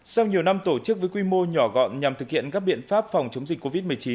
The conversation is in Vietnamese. sau nhiều năm tổ chức với quy mô nhỏ gọn nhằm thực hiện các biện pháp phòng chống dịch covid một mươi chín